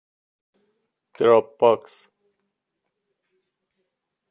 دراپ باکس